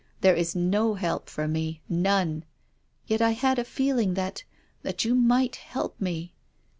There is no help for me, none. Yet I had a feeling that — that you might help me."